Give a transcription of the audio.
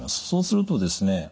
そうするとですね